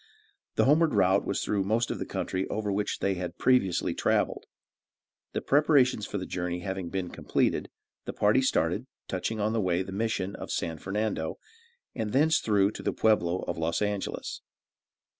The homeward route was through most of the country over which they had previously traveled. The preparations for the journey having been completed, the party started, touching on the way at the Mission of San Fernando, and thence through to the Peublo of Los Angelos.